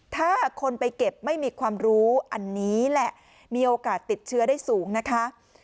ถ้าคนไปเก็บไม่มีความรู้อันนี้แหละมีโอกาสติดเชื้อได้สูงนะคะ